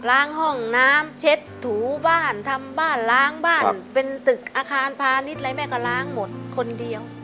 ล้างห้องน้ำเช็ดถูบ้านทำบ้านล้างบ้านเป็นตึกอาคารพาณิชย์อะไรแม่ก็ล้างหมดคนเดียว